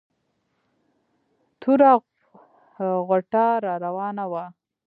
توره غوټه را راوانه وه.